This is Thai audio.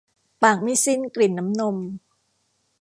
ปากไม่สิ้นกลิ่นน้ำนม